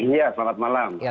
iya selamat malam